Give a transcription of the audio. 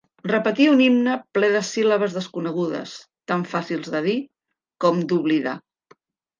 Repetia un himne ple de síl·labes desconegudes, tan fàcils de dir com d'oblidar.